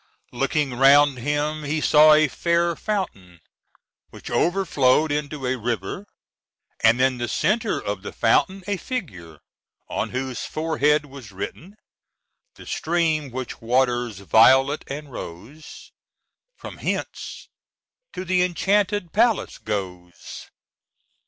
Looking round him, he saw a fair fountain, which overflowed into a river, and in the centre of the fountain a figure, on whose forehead was written: "The stream which waters violet and rose, From hence to the enchanted palace goes."